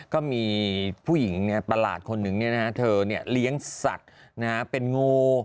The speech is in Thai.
ก็มีผู้หญิงประหลาดคนหนึ่งเธอเลี้ยงสัตว์เป็นงู